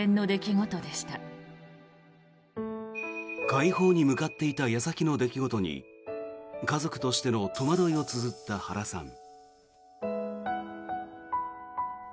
快方に向かっていた矢先の出来事に家族としての戸惑いをつづった原さん。